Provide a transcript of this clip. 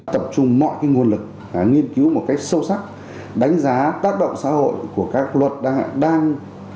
tập trung mọi nguồn lực nghiên cứu một cách sâu sắc đánh giá tác động xã hội của các luật đang